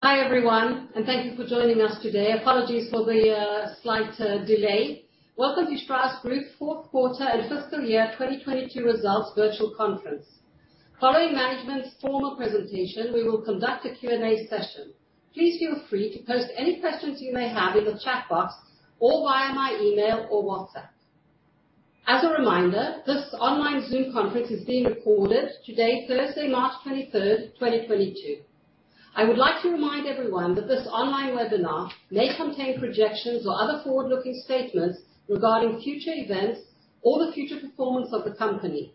Hi, everyone, and thank you for joining us today. Apologies for the slight delay. Welcome to Strauss Group fourth quarter and fiscal year 2022 results virtual conference. Following management's formal presentation, we will conduct a Q&A session. Please feel free to post any questions you may have in the chat box or via my email or WhatsApp. As a reminder, this online Zoom conference is being recorded today, Thursday, March 23rd, 2022. I would like to remind everyone that this online webinar may contain projections or other forward-looking statements regarding future events or the future performance of the company.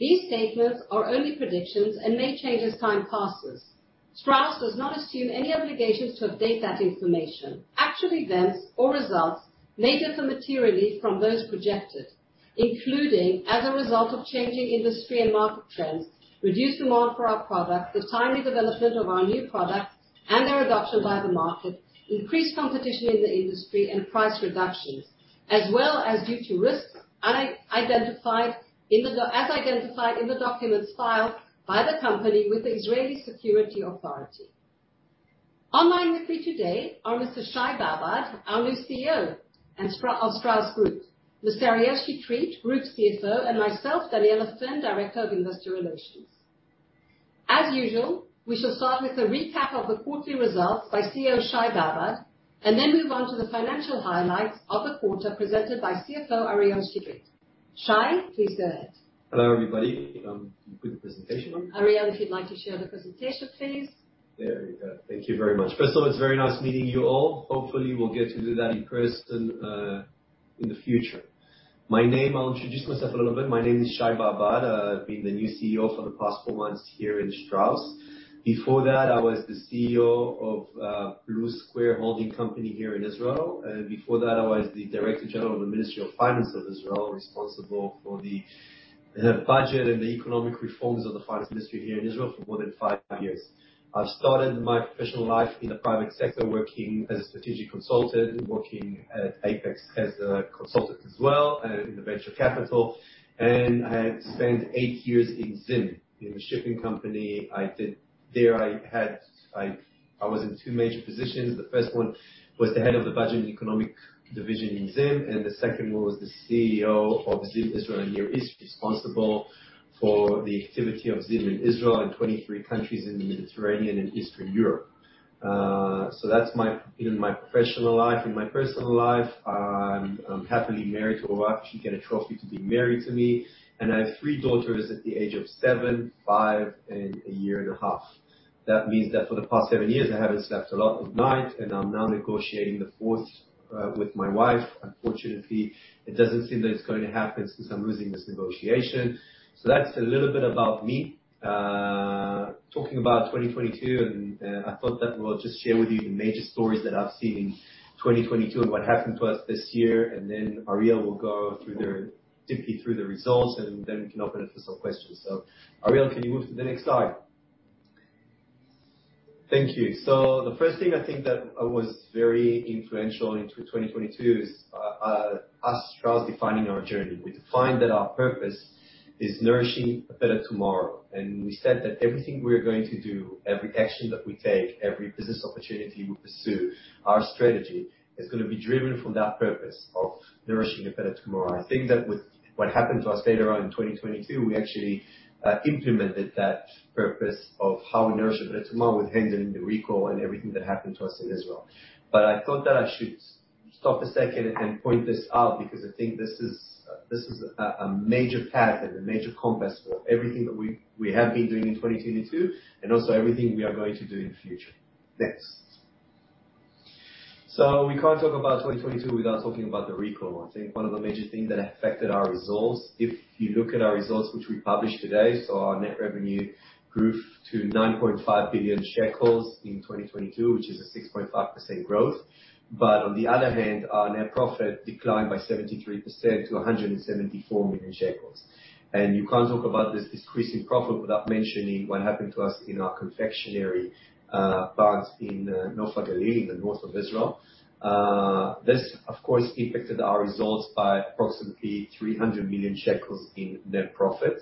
These statements are only predictions and may change as time passes. Strauss does not assume any obligations to update that information. Actual events or results may differ materially from those projected, including as a result of changing industry and market trends, reduced demand for our products, the timely development of our new products and their adoption by the market, increased competition in the industry and price reductions, as well as due to risks as identified in the documents filed by the company with the Israeli Security Authority. Online with me today are Mr. Shai Babad, our new CEO of Strauss Group, Mr. Ariel Chetrit, Group CFO, and myself, Daniella Finn, Director of Investor Relations. As usual, we shall start with a recap of the quarterly results by CEO Shai Babad, then move on to the financial highlights of the quarter presented by CFO Ariel Chetrit. Shai, please go ahead. Hello, everybody. Put the presentation on. Ariel, if you'd like to share the presentation, please. There we go. Thank you very much. First of all, it's very nice meeting you all. Hopefully, we'll get to do that in person in the future. I'll introduce myself a little bit. My name is Shai Babad. I've been the new CEO for the past four months here in Strauss. Before that, I was the CEO of Blue Square Holding Company here in Israel. Before that, I was the Director General of the Ministry of Finance of Israel, responsible for the budget and the economic reforms of the Ministry of Finance here in Israel for more than five years. I started my professional life in the private sector, working as a strategic consultant, working at Apax as a consultant as well, and in the venture capital. I have spent eight years in Zim, in the shipping company. There I had, I was in two major positions. The first one was the head of the budget and economic division in Zim. The second one was the CEO of Zim Israel and Near East, responsible for the activity of Zim in Israel and 23 countries in the Mediterranean and Eastern Europe. That's my, you know, my professional life. In my personal life, I'm happily married to a wife. She get a trophy to be married to me. I have three daughters at the age of seven, five, and a year and a half. That means that for the past seven years, I haven't slept a lot at night. I'm now negotiating the fourth with my wife. Unfortunately, it doesn't seem that it's going to happen since I'm losing this negotiation. That's a little bit about me. Talking about 2022, I thought that I would just share with you the major stories that I've seen in 2022 and what happened to us this year. Ariel will go deeply through the results, then we can open it for some questions. Ariel, can you move to the next slide? Thank you. The first thing I think that was very influential in 2022 is us, Strauss, defining our journey. We defined that our purpose is nourishing a better tomorrow. We said that everything we're going to do, every action that we take, every business opportunity we pursue, our strategy, is gonna be driven from that purpose of nourishing a better tomorrow. I think that with what happened to us later on in 2022, we actually implemented that purpose of how we nourish a better tomorrow with handling the recall and everything that happened to us in Israel. I thought that I should stop a second and point this out because I think this is a major path and a major compass for everything that we have been doing in 2022, and also everything we are going to do in the future. Next. We can't talk about 2022 without talking about the recall. I think one of the major things that affected our results, if you look at our results, which we published today, so our net revenue grew to 9.5 billion shekels in 2022, which is a 6.5% growth. On the other hand, our net profit declined by 73% to 174 million shekels. You can't talk about this decrease in profit without mentioning what happened to us in our confectionery plant in Lower Galilee, in the north of Israel. This, of course, impacted our results by approximately 300 million shekels in net profit.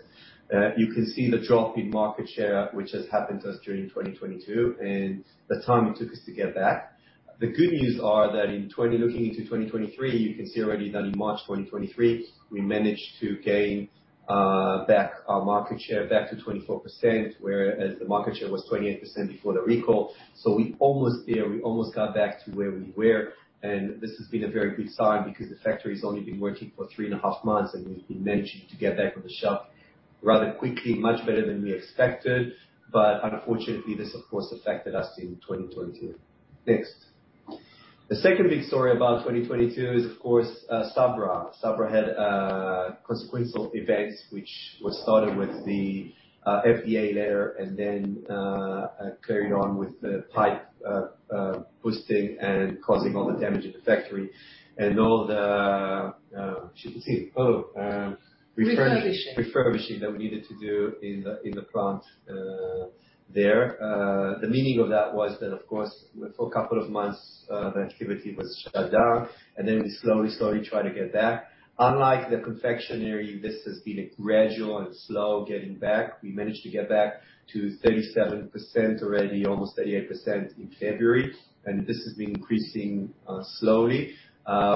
You can see the drop in market share, which has happened to us during 2022 and the time it took us to get back. The good news are that looking into 2023, you can see already that in March 2023, we managed to gain back our market share back to 24%, whereas the market share was 28% before the recall. We almost there, we almost got back to where we were. This has been a very good sign because the factory's only been working for three and a half months, and we've been managing to get back on the shelf rather quickly, much better than we expected. Unfortunately, this of course affected us in 2022. Next. The second big story about 2022 is, of course, Sabra. Sabra had consequential events, which was started with the FDA letter and then carried on with the pipe bursting and causing all the damage at the factory and all the refurbishing. Refurbishing... refurbishing that we needed to do in the plant there. The meaning of that was that, of course, for a couple of months, the activity was shut down, and then we slowly tried to get back. Unlike the confectionery, this has been a gradual and slow getting back. We managed to get back to 37% already, almost 38% in February, and this has been increasing slowly.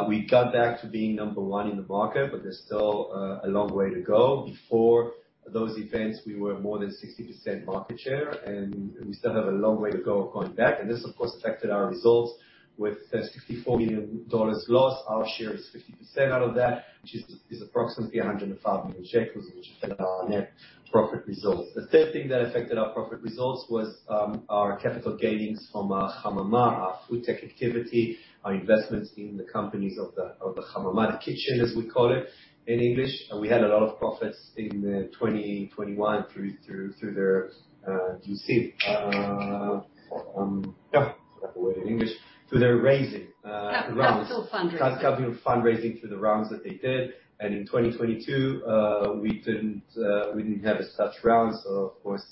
We got back to being number one in the market, but there's still a long way to go. Before those events, we were more than 60% market share, and we still have a long way to go going back. This of course affected our results with the $54 million loss. Our share is 50% out of that, which is approximately 105 million shekels, which affected our net profit results. The third thing that affected our profit results was our capital gains from Hamama, our food tech activity, our investments in the companies of the Hamama, the Kitchen, as we call it in English. We had a lot of profits in 20 and 21 through their raising rounds. Capital fundraising. Capital fundraising through the rounds that they did. In 2022, we didn't have as such rounds. Of course,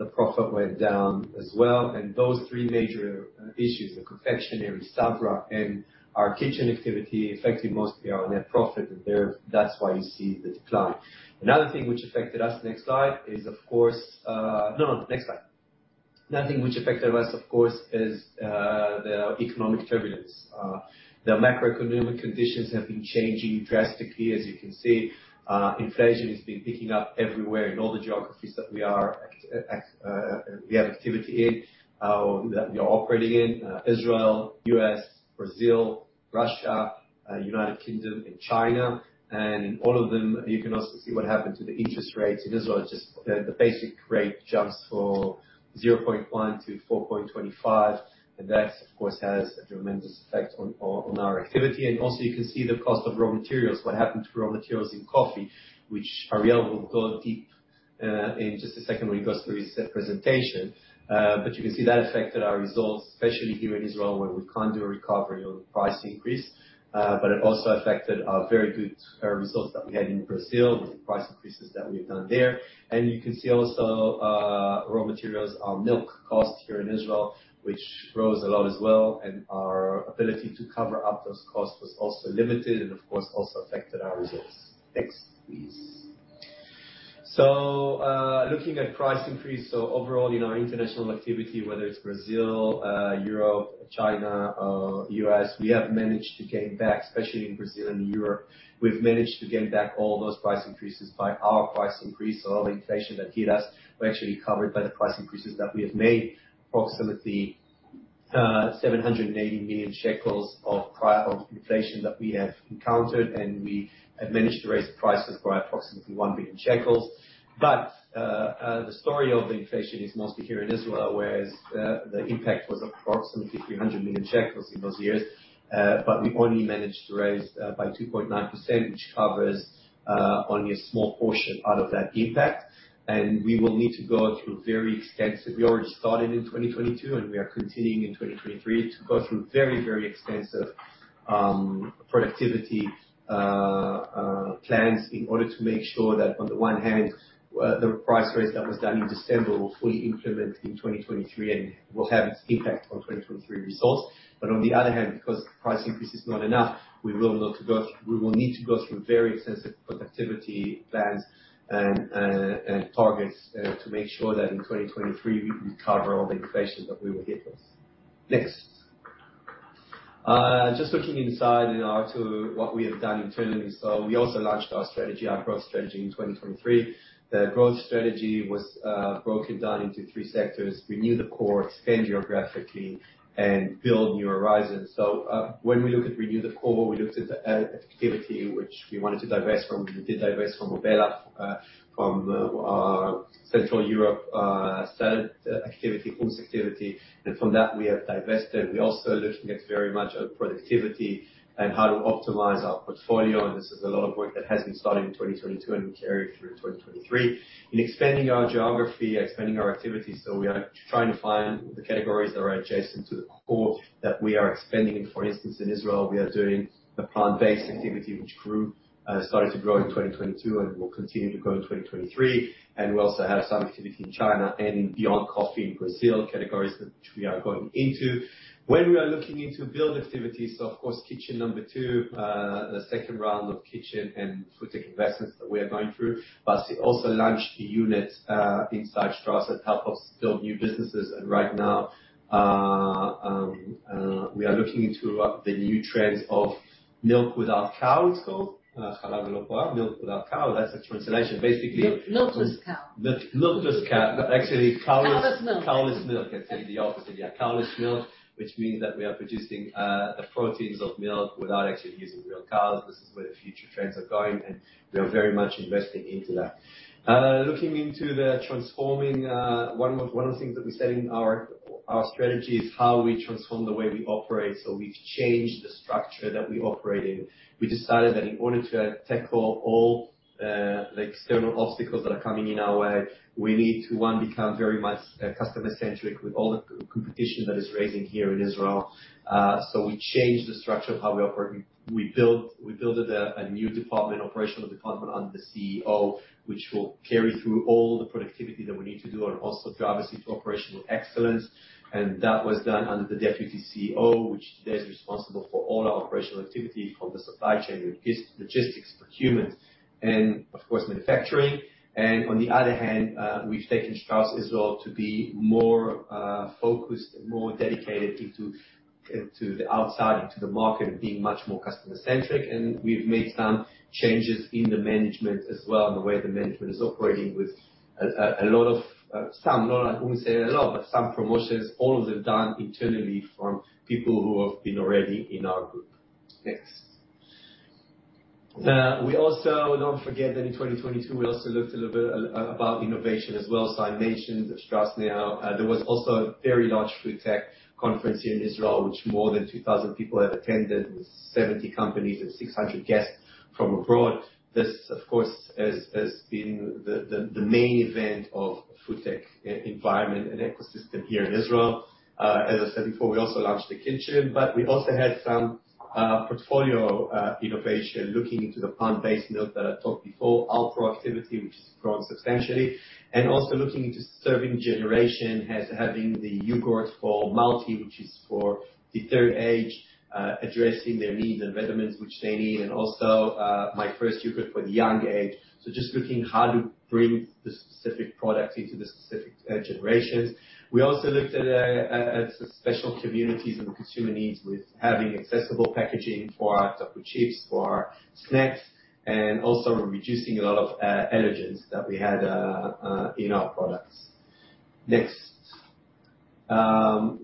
the profit went down as well. Those three major issues, the confectionery, Sabra, and our Kitchen activity, affected mostly our net profit. That's why you see the decline. Another thing which affected us, next slide, is of course. Next slide. Another thing which affected us, of course, is the economic turbulence. The macroeconomic conditions have been changing drastically, as you can see. Inflation has been picking up everywhere in all the geographies that we have activity in, that we are operating in, Israel, U.S., Brazil, Russia, United Kingdom and China. In all of them, you can also see what happened to the interest rates. In Israel, the basic rate jumps from 0.1 to 4.25. That, of course, has a tremendous effect on our activity. Also, you can see the cost of raw materials, what happened to raw materials in coffee, which Ariel will go deep in just a second when he goes through his presentation. You can see that affected our results, especially here in Israel, where we can't do a recovery on price increase. It also affected our very good results that we had in Brazil with the price increases that we have done there. You can see also, raw materials, our milk cost here in Israel, which rose a lot as well, and our ability to cover up those costs was also limited and of course also affected our results. Next, please. Looking at price increase, overall in our international activity, whether it's Brazil, Europe, China, US, we have managed to gain back, especially in Brazil and Europe. We've managed to gain back all those price increases by our price increase. All the inflation that hit us were actually covered by the price increases that we have made. Approximately, 780 million shekels of inflation that we have encountered, and we have managed to raise prices by approximately 1 billion shekels. The story of the inflation is mostly here in Israel, whereas the impact was approximately 300 million shekels in those years. We only managed to raise by 2.9%, which covers only a small portion out of that impact. We will need to go through very extensive... We already started in 2022, we are continuing in 2023 to go through very, very extensive productivity plans in order to make sure that on the one hand, the price raise that was done in December will fully implement in 2023 and will have its impact on 2023 results. On the other hand, because price increase is not enough, we will need to go through very extensive productivity plans and targets to make sure that in 2023 we cover all the inflation that we will hit us. Next. Just looking inside in our to what we have done internally. We also launched our strategy, our growth strategy in 2023. The growth strategy was broken down into three sectors: renew the core, expand geographically, and build new horizons. When we look at renew the core, we looked at the activity which we wanted to divest from. We did divest from Obela, from our Central Europe salad activity, Hummus activity. From that, we have divested. We also looking at very much at productivity and how to optimize our portfolio, and this is a lot of work that has been started in 2022, and we carry through in 2023. In expanding our geography, expanding our activities, we are trying to find the categories that are adjacent to the core that we are expanding. For instance, in Israel, we are doing the plant-based activity, which grew, started to grow in 2022 and will continue to grow in 2023. We also have some activity in China and beyond coffee in Brazil, categories which we are going into. When we are looking into build activities, of course, Kitchen number 2, the second round of Kitchen and food tech investments that we are going through. We also launched a unit inside Strauss that help us build new businesses. Right now, we are looking into the new trends of milk without cow, it's called. Milk without cow. That's the translation. Milkless cow. milkless cow. actually cowless- cow-less milk. Cow-less milk. It's in the opposite. Yeah, cow-less milk, which means that we are producing the proteins of milk without actually using real cows. This is where the future trends are going, and we are very much investing into that. Looking into the transforming, one of the things that we said in our strategy is how we transform the way we operate. We've changed the structure that we operate in. We decided that in order to tackle all, like, external obstacles that are coming in our way, we need to, one, become very much customer-centric with all the competition that is raising here in Israel. We changed the structure of how we operate. We built a new department, operational department under the CEO, which will carry through all the productivity that we need to do and also drive us into operational excellence. That was done under the Deputy CEO, which today is responsible for all our operational activity from the supply chain, logistics, procurement, and of course, manufacturing. On the other hand, we've taken Strauss Israel to be more focused and more dedicated into to the outside, into the market, and being much more customer-centric. We've made some changes in the management as well, and the way the management is operating with some promotions, all of them done internally from people who have been already in our group. Next. We also don't forget that in 2022, we also looked a little bit about innovation as well. I mentioned Strauss now. There was also a very large food tech conference here in Israel, which more than 2,000 people have attended, with 70 companies and 600 guests from abroad. This, of course, has been the main event of food tech e-environment and ecosystem here in Israel. As I said before, we also launched the Kitchen, we also had some portfolio innovation looking into the plant-based milk that I talked before, Alpro activity, which has grown substantially. Also looking into serving generation as having the yogurt for multi, which is for the third age, addressing their needs and vitamins which they need. Also, my first yogurt for the young age. Just looking how to bring the specific products into the specific generations. We also looked at special communities and consumer needs with having accessible packaging for our chocolate chips, for our snacks, and also reducing a lot of allergens that we had in our products. Next.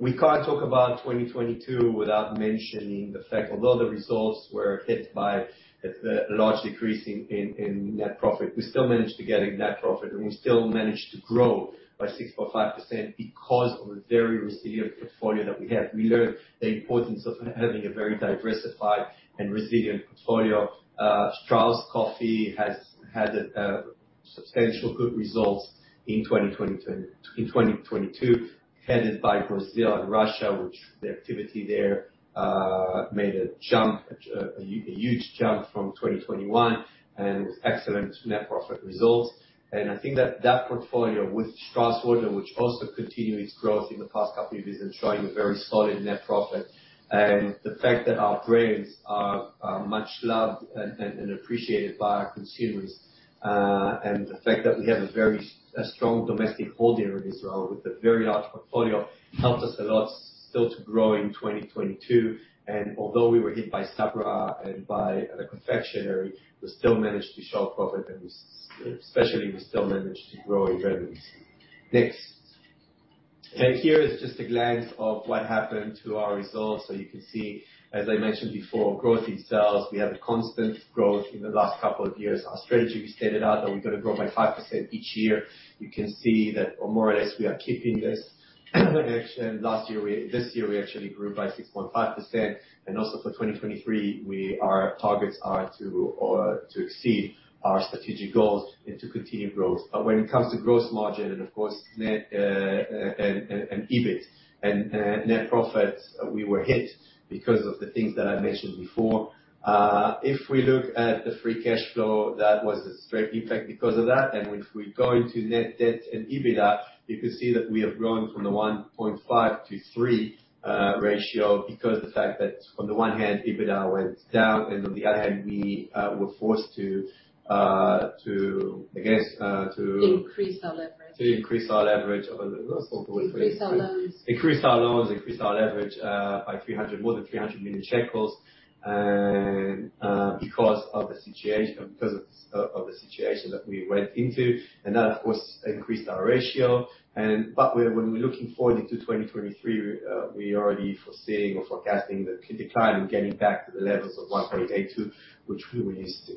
We can't talk about 2022 without mentioning the fact, although the results were hit by a large decrease in net profit, we still managed to get a net profit, and we still managed to grow by 6.5% because of the very resilient portfolio that we have. We learned the importance of having a very diversified and resilient portfolio. Strauss Coffee has had substantial good results in 2022, headed by Brazil and Russia, which the activity there made a jump, a huge jump from 2021 and with excellent net profit results. I think that that portfolio, with Strauss Water, which also continued its growth in the past couple of years and showing a very solid net profit. The fact that our brands are much loved and appreciated by our consumers. The fact that we have a strong domestic holding in Israel with a very large portfolio, helped us a lot still to grow in 2022. Although we were hit by Sabra and by the confectionery, we still managed to show a profit, especially, we still managed to grow in revenues. Next. Here is just a glance of what happened to our results. You can see, as I mentioned before, growth in sales. We had a constant growth in the last couple of years. Our strategy, we stated out that we're going to grow by 5% each year. You can see that more or less we are keeping this. Actually, last year this year, we actually grew by 6.5%. Also for 2023, our targets are to exceed our strategic goals and to continue growth. When it comes to gross margin and of course net, and EBIT and net profit, we were hit because of the things that I mentioned before. If we look at the free cash flow, that was a straight impact because of that. If we go into net debt and EBITDA, you can see that we have grown from the 1.5 to 3 ratio because the fact that on the one hand, EBITDA went down, and on the other hand, we were forced to, I guess. Increase our leverage. To increase our leverage. Increase our loans. Increase our loans, increase our leverage by more than 300 million shekels. Because of the situation, because of the situation that we went into. That, of course, increased our ratio. When we're looking forward into 2023, we are already foreseeing or forecasting the decline and getting back to the levels of 1.82, which we were used to.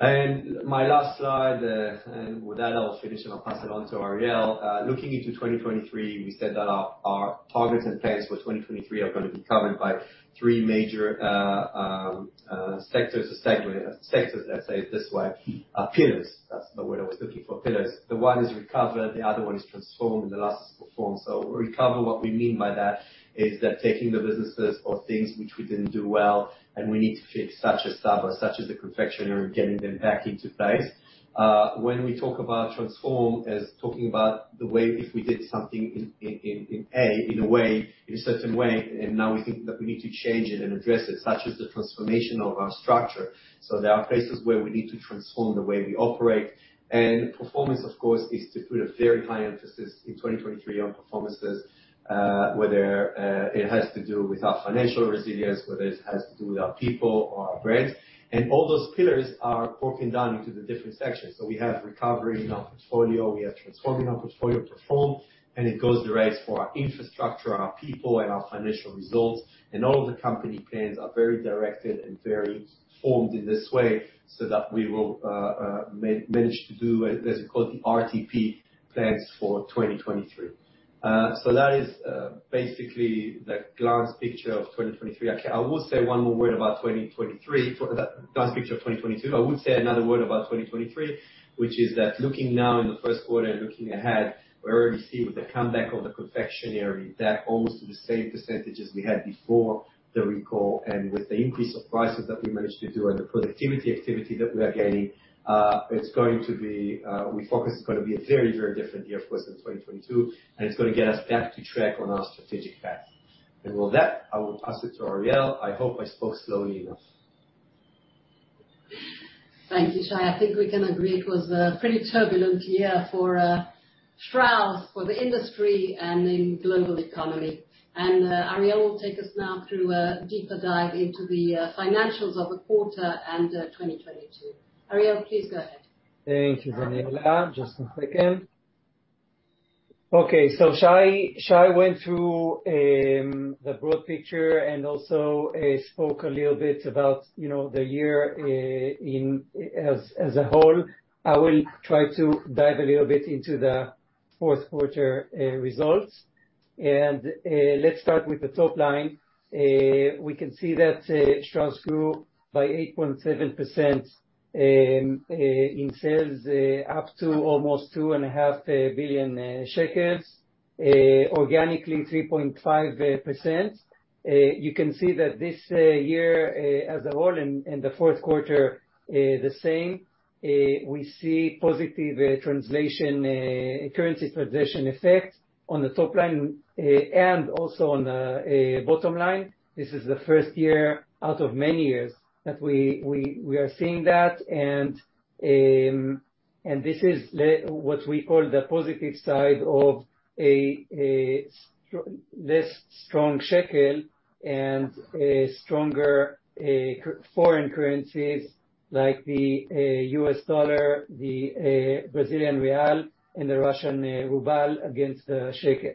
Next. My last slide, and with that, I'll finish, and I'll pass it on to Ariel. Looking into 2023, we said that our targets and plans for 2023 are gonna be covered by three major sectors, let's say it this way. Pillars, that's the word I was looking for, pillars. The one is recover, the other one is transform, and the last is perform. Recover, what we mean by that is that taking the businesses or things which we didn't do well and we need to fix, such as Sabra, such as the confectionery, getting them back into place. When we talk about transform, is talking about the way if we did something in a way, in a certain way, and now we think that we need to change it and address it, such as the transformation of our structure. There are places where we need to transform the way we operate. Performance, of course, is to put a very high emphasis in 2023 on performances, whether it has to do with our financial resilience, whether it has to do with our people or our brands. All those pillars are broken down into the different sections. We have recovery in our portfolio, we have transforming our portfolio, perform, and it goes direct for our infrastructure, our people and our financial results. All of the company plans are very directed and very formed in this way so that we will manage to do as you call it, the RTP plans for 2023. That is, basically the glance picture of 2023. I will say one more word about 2023. For the glance picture of 2022. I would say another word about 2023, which is that looking now in the first quarter and looking ahead, we already see with the comeback of the confectionery, back almost to the same percentages we had before the recall. With the increase of prices that we managed to do and the productivity activity that we are gaining, it's gonna be a very, very different year for us than 2022, and it's gonna get us back to track on our strategic path. With that, I will pass it to Ariel. I hope I spoke slowly enough. Thank you, Shai. I think we can agree it was a pretty turbulent year for Strauss, for the industry and in global economy. Ariel will take us now through a deeper dive into the financials of the quarter and 2022. Ariel, please go ahead. Thanks, Daniella. Just a second. Okay. Shai Babad went through the broad picture and also spoke a little bit about, you know, the year as a whole. I will try to dive a little bit into the fourth quarter results. Let's start with the top line. We can see that Strauss Group grew by 8.7% in sales up to almost 2.5 billion shekels. Organically, 3.5%. You can see that this year as a whole and the fourth quarter the same. We see positive translation currency translation effect on the top line and also on the bottom line. This is the first year out of many years that we are seeing that, and this is what we call the positive side of this strong shekel and a stronger foreign currencies like the U.S. dollar, the Brazilian real, and the Russian ruble against the shekel.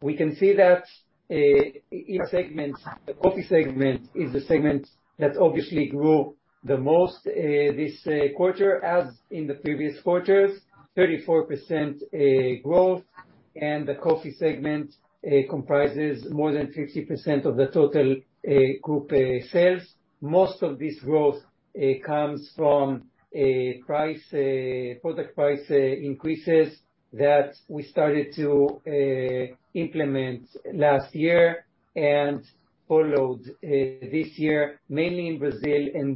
We can see that in segments, the coffee segment is the segment that obviously grew the most this quarter, as in the previous quarters. 34% growth. The coffee segment comprises more than 50% of the total group sales. Most of this growth comes from product price increases that we started to implement last year and followed this year, mainly in Brazil and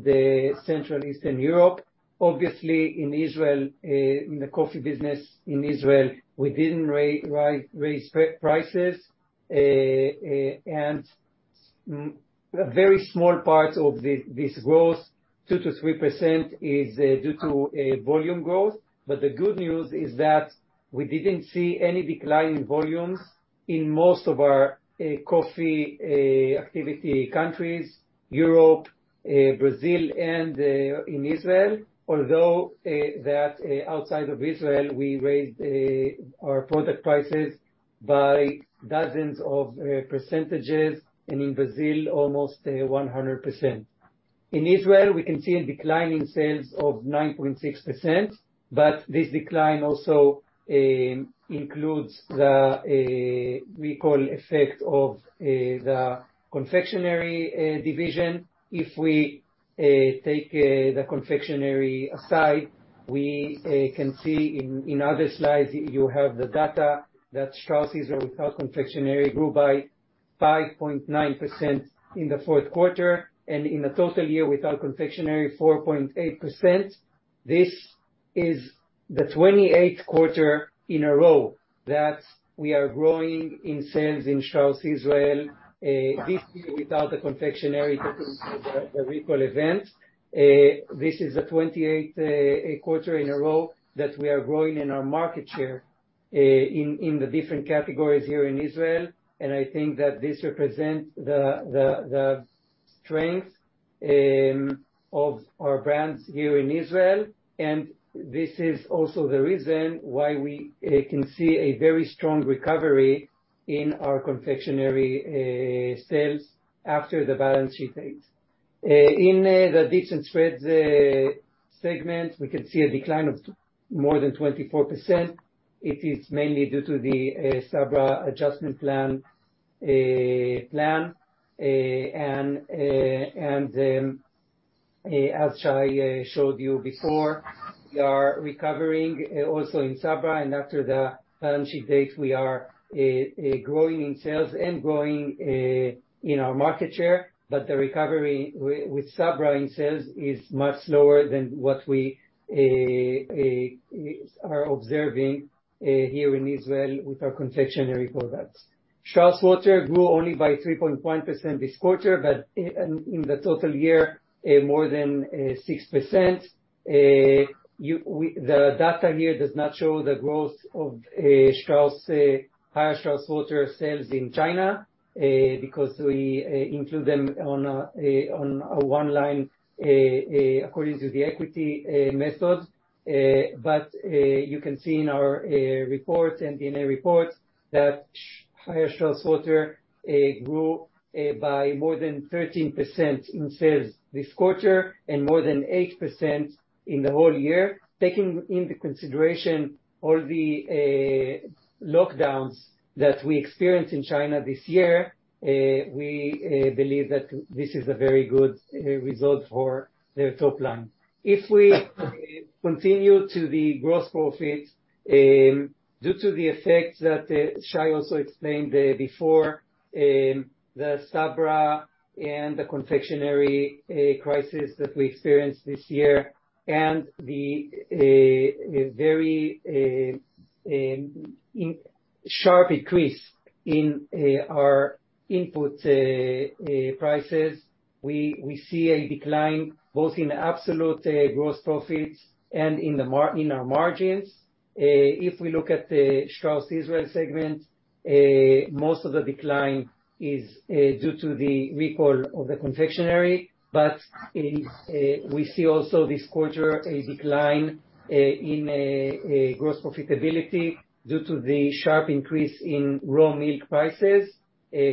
Central Eastern Europe. Obviously in Israel, in the coffee business in Israel, we didn't raise prices, and very small parts of this growth, 2%-3% is due to volume growth. The good news is that we didn't see any decline in volumes in most of our coffee activity countries, Europe, Brazil, and in Israel. Although that outside of Israel, we raised our product prices by dozens of percentages, and in Brazil, almost 100%. In Israel, we can see a decline in sales of 9.6%, but this decline also includes the recall effect of the confectionery division. If we take the confectionery aside, we can see in other slides, you have the data that Strauss Israel, without confectionery, grew by 5.9% in the fourth quarter, and in the total year, without confectionery, 4.8%. This is the 28th quarter in a row that we are growing in sales in Strauss Israel, this year without the confectionery due to the recall event. This is the 28th quarter in a row that we are growing in our market share in the different categories here in Israel. I think that this represent the strength of our brands here in Israel. This is also the reason why we can see a very strong recovery in our confectionery sales after the balance sheet date. In the dips and spreads segment, we can see a decline of more than 24%. It is mainly due to the Sabra adjustment plan. As Shai showed you before, we are recovering also in Sabra, and after the balance sheet date, we are growing in sales and growing in our market share. The recovery with Sabra in sales is much slower than what we are observing here in Israel with our confectionery products. Strauss Water grew only by 3.1% this quarter, but in the total year, more than 6%. The data here does not show the growth of Strauss Haier Strauss Water sales in China because we include them on a one line according to the equity method. You can see in our report, MD&A report that Haier Strauss Water grew by more than 13% in sales this quarter and more than 8% in the whole year. Taking into consideration all the lockdowns that we experienced in China this year, we believe that this is a very good result for the top line. We continue to the gross profit, due to the effects that Shai also explained before, the Sabra and the confectionery crisis that we experienced this year and the very sharp increase in our input prices, we see a decline both in absolute gross profits and in our margins. If we look at the Strauss Israel segment, most of the decline is due to the recall of the confectionery, but we see also this quarter a decline in gross profitability due to the sharp increase in raw milk prices,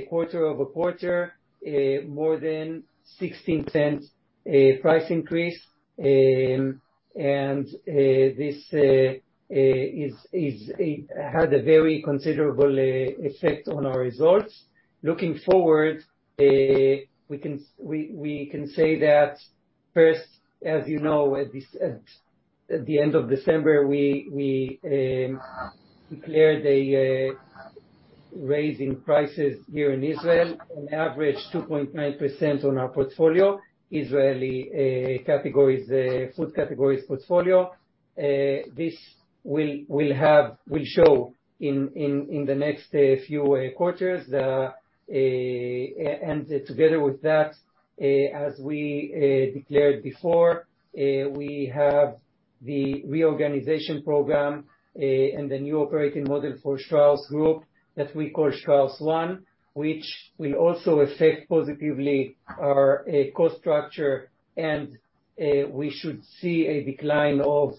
quarter-over-quarter, more than 16% price increase. This is had a very considerable effect on our results. Looking forward, we can say that, first, as you know, at the end of December, we declared a raise in prices here in Israel, an average 2.9% on our portfolio, Israeli categories, food categories portfolio. This will show in the next few quarters. Together with that, as we declared before, we have the reorganization program and the new operating model for Strauss Group that we call Strauss One, which will also affect positively our cost structure. We should see a decline of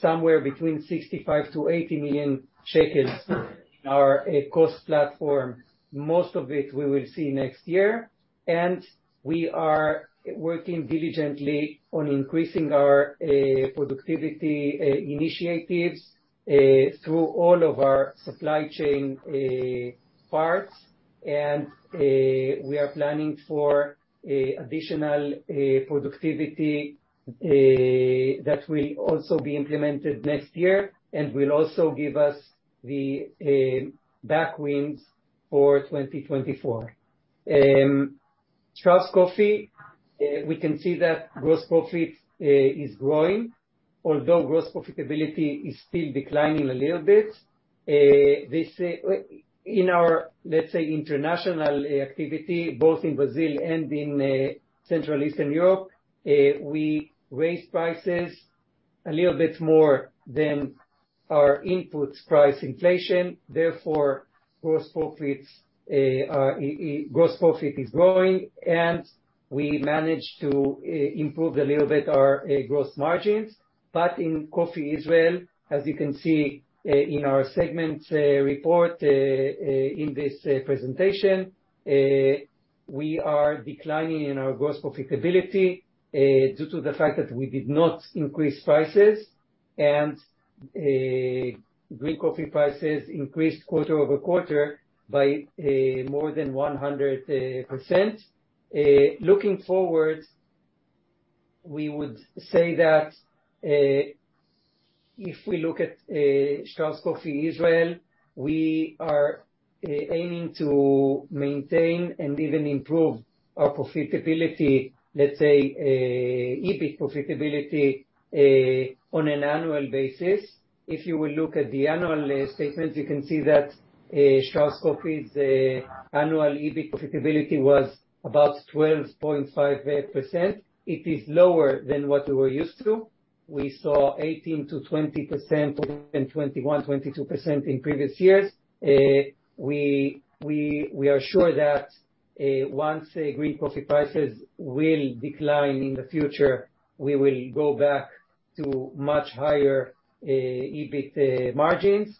somewhere between 65 million-80 million shekels in our cost platform. Most of it we will see next year. We are working diligently on increasing our productivity initiatives through all of our supply chain parts. We are planning for additional productivity that will also be implemented next year and will also give us the back wins for 2024. Strauss Coffee, we can see that gross profit is growing, although gross profitability is still declining a little bit. This... In our, let's say, international activity, both in Brazil and in Central Eastern Europe, we raised prices a little bit more than our inputs price inflation, therefore gross profits, gross profit is growing, and we managed to improve a little bit our gross margins. In Coffee Israel, as you can see, in our segment report, in this presentation, we are declining in our gross profitability due to the fact that we did not increase prices and green coffee prices increased quarter-over-quarter by more than 100%. Looking forward, we would say that if we look at Strauss Coffee Israel, we are aiming to maintain and even improve our profitability, let's say, EBIT profitability, on an annual basis. If you will look at the annual statements, you can see that Strauss Coffee's annual EBIT profitability was about 12.5%. It is lower than what we were used to. We saw 18%-20% and 21%-22% in previous years. We are sure that once the green coffee prices will decline in the future, we will go back to much higher EBIT margins.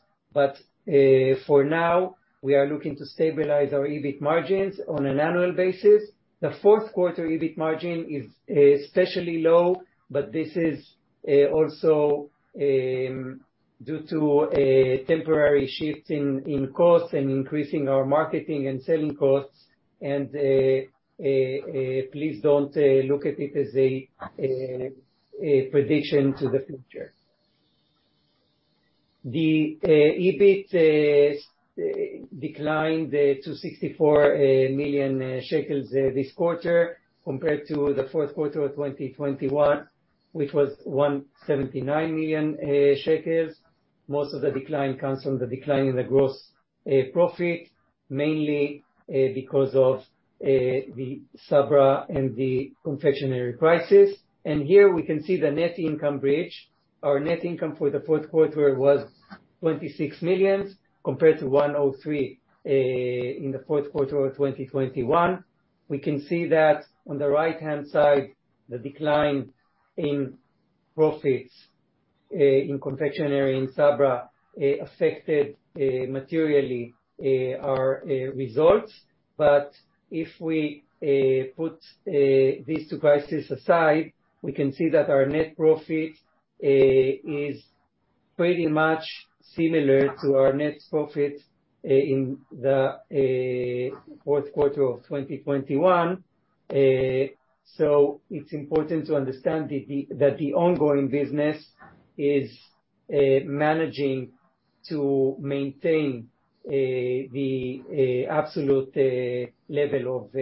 For now, we are looking to stabilize our EBIT margins on an annual basis. The fourth quarter EBIT margin is especially low, but this is also due to a temporary shift in costs and increasing our marketing and selling costs. Please don't look at it as a prediction to the future. EBIT declined to 64 million shekels this quarter, compared to the fourth quarter of 2021, which was 179 million shekels. Most of the decline comes from the decline in the gross profit, mainly because of the Sabra and the confectionery crisis. Here we can see the net income bridge. Our net income for the fourth quarter was 26 million, compared to 103 million in the fourth quarter of 2021. We can see that on the right-hand side, the decline in profits in confectionery, in Sabra, affected materially our results. If we put these two crises aside, we can see that our net profit is pretty much similar to our net profit in the fourth quarter of 2021. It's important to understand that the ongoing business is managing to maintain the absolute level of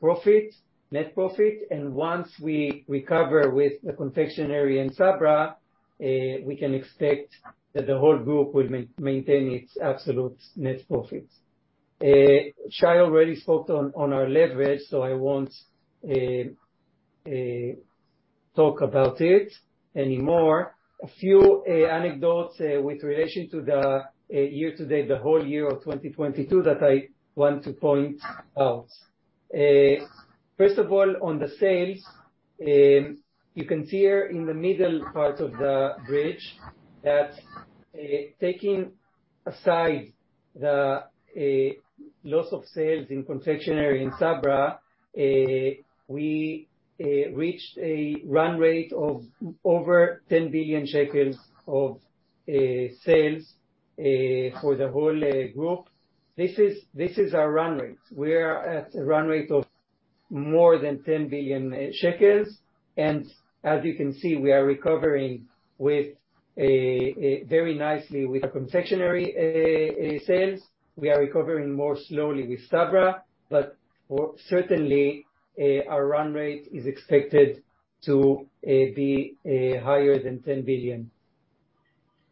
profit, net profit. Once we recover with the confectionery and Sabra, we can expect that the whole group will maintain its absolute net profits. Shai already spoke on our leverage, so I won't talk about it anymore. A few anecdotes with relation to the year-to-date, the whole year of 2022 that I want to point out. First of all, on the sales, you can see here in the middle part of the bridge that taking aside the loss of sales in confectionery in Sabra, we reached a run rate of over 10 billion shekels of sales for the whole group. This is our run rate. We are at a run rate of more than 10 billion shekels, and as you can see, we are recovering very nicely with our confectionery sales. We are recovering more slowly with Sabra. Certainly, our run rate is expected to be higher than 10 billion.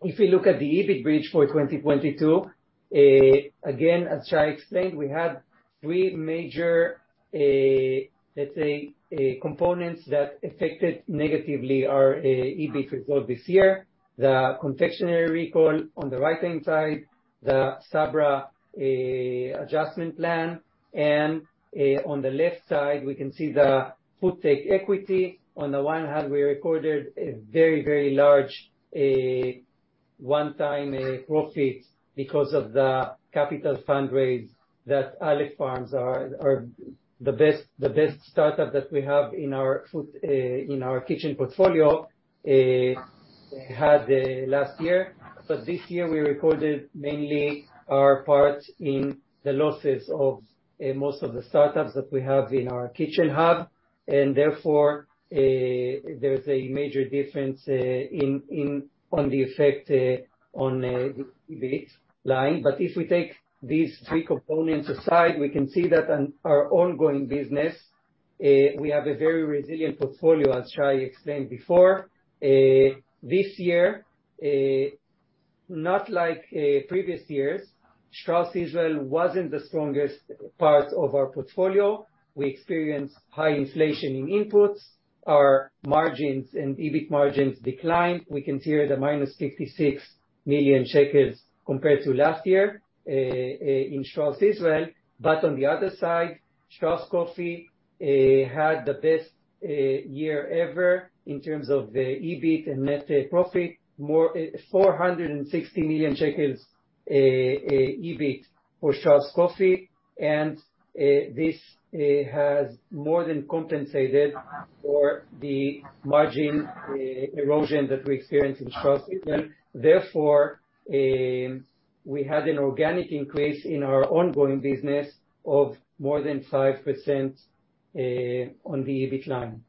If you look at the EBIT bridge for 2022, again, as Shai explained, we had three major, let's say, components that affected negatively our EBIT result this year. The confectionery recall on the right-hand side, the Sabra adjustment plan, and on the left side, we can see the food tech equity. On the one hand, we recorded a very large, one-time profit because of the capital fundraise that Aleph Farms are the best startup that we have in our food, in our Kitchen portfolio, had last year. This year, we recorded mainly our part in the losses of most of the startups that we have in our Kitchen hub, and therefore, there's a major difference on the effect on the EBIT line. If we take these three components aside, we can see that on our ongoing business, we have a very resilient portfolio, as Shai explained before. This year, not like previous years, Strauss Israel wasn't the strongest part of our portfolio. We experienced high inflation in inputs. Our margins and EBIT margins declined. We can see here the -56 million shekels compared to last year in Strauss Israel. On the other side, Strauss Coffee had the best year ever in terms of EBIT and net profit. 460 million shekels EBIT for Strauss Coffee. This has more than compensated for the margin erosion that we experienced in Strauss Israel. Therefore, we had an organic increase in our ongoing business of more than 5% on the EBIT line.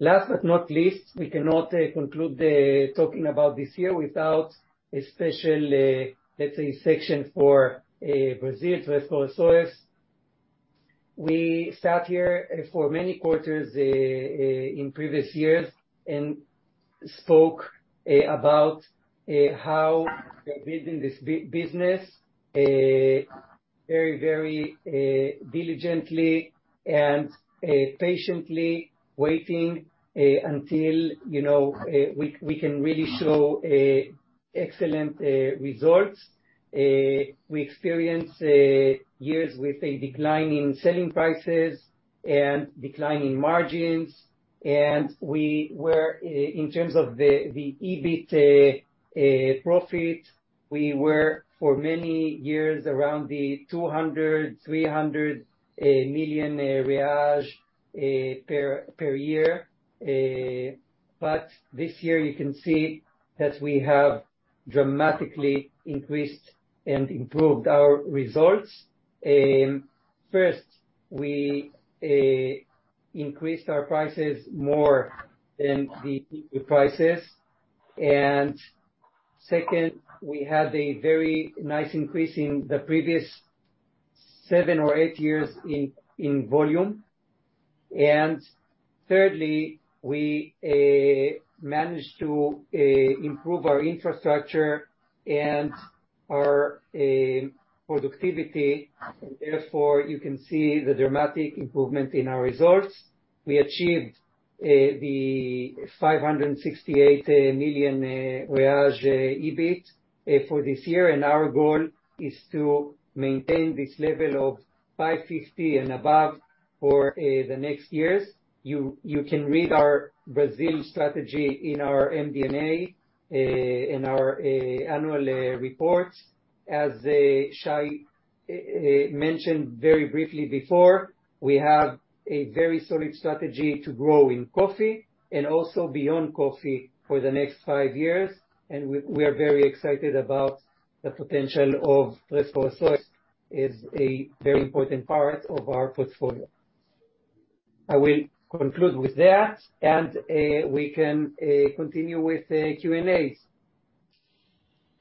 Last but not least, we cannot conclude talking about this year without a special, let's say section for Brazil, Três Corações. We sat here for many quarters in previous years and spoke about how we are building this business very diligently and patiently waiting until, you know, we can really show excellent results. We experienced years with a decline in selling prices and decline in margins. In terms of the EBIT profit, we were for many years around the 200 million-300 million per year. This year, you can see that we have dramatically increased and improved our results. First, we increased our prices more than the input prices. Second, we had a very nice increase in the previous seven or eight years in volume. Thirdly, we managed to improve our infrastructure and our productivity. Therefore, you can see the dramatic improvement in our results. We achieved the 568 million EBIT for this year. Our goal is to maintain this level of 550 and above for the next years. You can read our Brazil strategy in our MD&A, in our annual report. As Shai mentioned very briefly before, we have a very solid strategy to grow in coffee and also beyond coffee for the next five years. We are very excited about the potential of Três Corações as a very important part of our portfolio. I will conclude with that, and we can continue with the Q&A.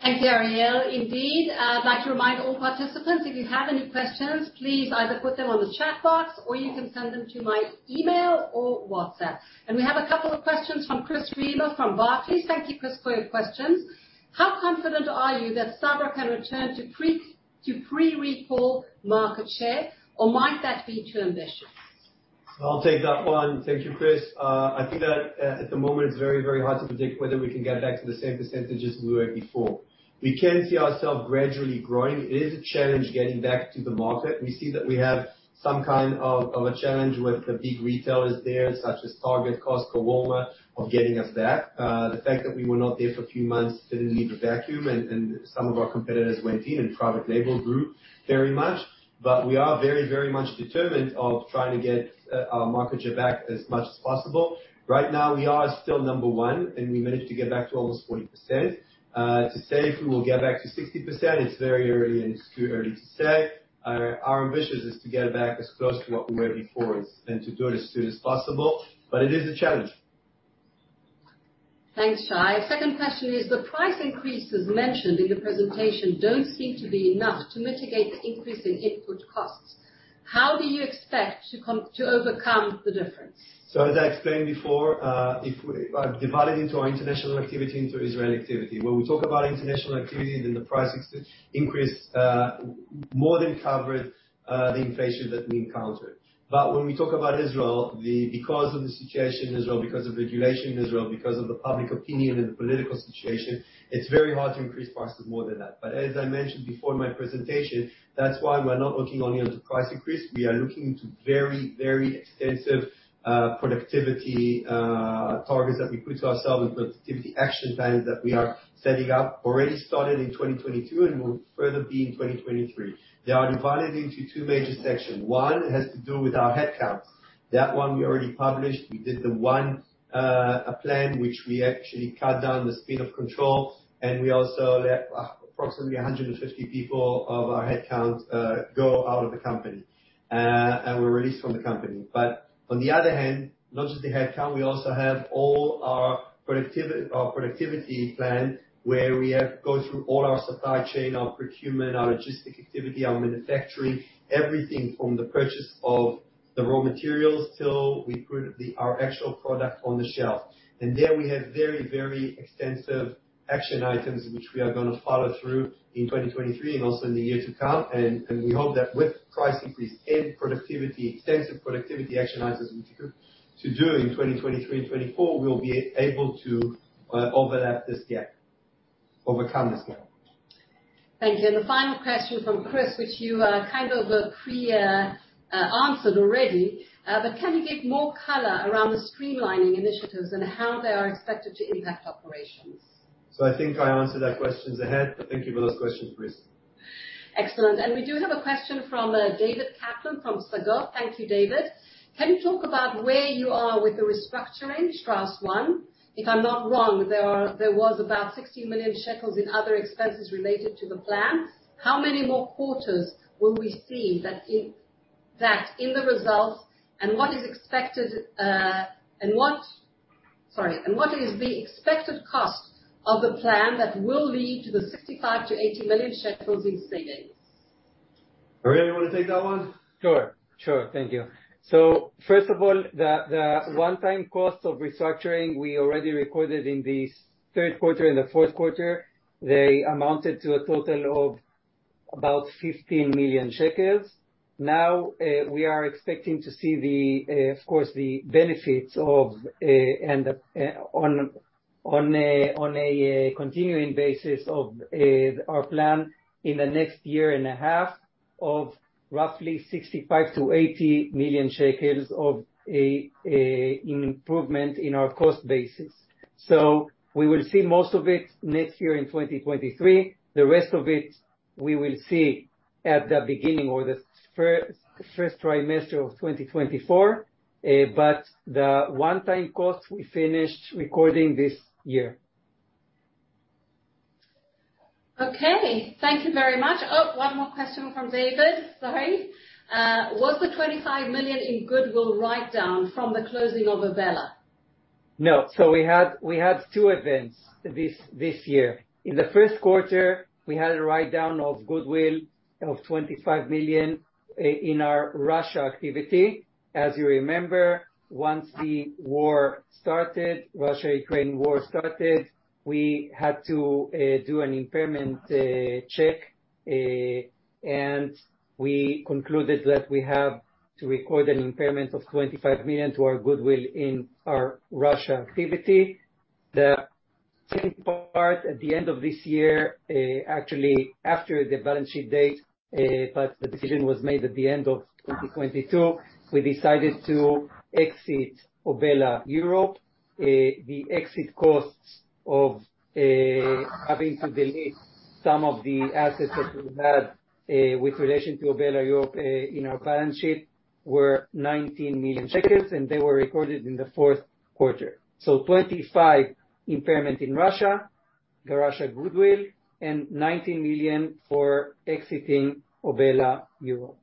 Thank you, Ariel. Indeed, I'd like to remind all participants, if you have any questions, please either put them on the chat box or you can send them to my email or WhatsApp. We have a couple of questions from Chris Reba from Barclays. Thank you, Chris, for your questions. How confident are you that Sabra can return to pre-recall market share or might that be too ambitious? I'll take that one. Thank you, Chris. I think that, at the moment, it's very, very hard to predict whether we can get back to the same percentages we were before. We can see ourself gradually growing. It is a challenge getting back to the market. We see that we have some kind of a challenge with the big retailers there, such as Target, Costco, Walmart, of getting us back. The fact that we were not there for a few months didn't leave a vacuum and some of our competitors went in and private label grew very much. We are very, very much determined of trying to get, our market share back as much as possible. Right now, we are still number one, and we managed to get back to almost 40%. To say if we will get back to 60%, it's very early and it's too early to say. Our ambition is to get back as close to what we were before and to do it as soon as possible, but it is a challenge. Thanks, Shai. Second question is, the price increases mentioned in your presentation don't seem to be enough to mitigate the increase in input costs. How do you expect to overcome the difference? As I explained before, if we divided into our international activity, into Israeli activity. When we talk about international activity, the price ex-increase more than covered the inflation that we encountered. When we talk about Israel, because of the situation in Israel, because of regulation in Israel, because of the public opinion and the political situation, it's very hard to increase prices more than that. As I mentioned before in my presentation, that's why we're not looking only into price increase. We are looking into very, very extensive productivity targets that we put to ourselves and productivity action plans that we are setting up, already started in 2022, and will further be in 2023. They are divided into two major sections. One has to do with our headcounts. That one we already published. We did the one plan, which we actually cut down the speed of control, and we also let approximately 150 people of our headcount go out of the company and were released from the company. On the other hand, not just the headcount, we also have all our productivity plan where we have go through all our supply chain, our procurement, our logistic activity, our manufacturing, everything from the purchase of the raw materials till we put our actual product on the shelf. There we have very, very extensive action items which we are gonna follow through in 2023 and also in the year to come. We hope that with price increase and productivity, extensive productivity action items to do in 2023 and 2024, we will be able to overlap this gap. Overcome this gap. Thank you. The final question from Chris, which you kind of pre answered already, but can you give more color around the streamlining initiatives and how they are expected to impact operations? I think I answered that questions ahead, but thank you for those questions, Chris. Excellent. We do have a question from David Kaplan from Psagot. Thank you, David. Can you talk about where you are with the restructuring, Strauss One? If I'm not wrong, there was about 60 million shekels in other expenses related to the plan. How many more quarters will we see that in the results, and what is expected? Sorry. What is the expected cost of the plan that will lead to the 65 million-80 million shekels in savings? Ariel, you wanna take that one? Sure. Sure. Thank you. First of all, the one-time cost of restructuring we already recorded in the third quarter and the fourth quarter. They amounted to a total of about 15 million shekels. Now, we are expecting to see the, of course, the benefits of and the on a continuing basis of our plan in the next year and a half of roughly 65 million-80 million shekels of a improvement in our cost basis. We will see most of it next year in 2023. The rest of it we will see at the beginning or the first trimester of 2024. The one-time cost, we finished recording this year. Okay. Thank you very much. Oh, one more question from David. Sorry. Was the 25 million in goodwill write-down from the closing of Obela? No. We had two events this year. In the first quarter, we had a write-down of goodwill of 25 million in our Russia activity. As you remember, once the war started, Russia-Ukraine war started, we had to do an impairment check, and we concluded that we have to record an impairment of 25 million to our goodwill in our Russia activity. The second part, at the end of this year, actually after the balance sheet date, but the decision was made at the end of 2022, we decided to exit Obela Europe. The exit costs of having to delete some of the assets that we had with relation to Obela Europe in our balance sheet were 19 million shekels, and they were recorded in the fourth quarter. 25 impairment in Russia goodwill, and 19 million for exiting Obela Europe.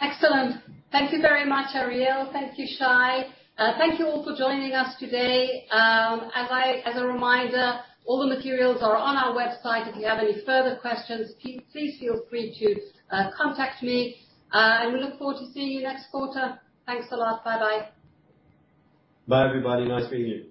Excellent. Thank you very much, Ariel. Thank you, Shai. Thank you all for joining us today. As a reminder, all the materials are on our website. If you have any further questions, please feel free to contact me. We look forward to seeing you next quarter. Thanks a lot. Bye-bye. Bye everybody. Nice being here.